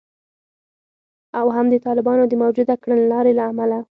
او هم د طالبانو د موجوده کړنلارې له امله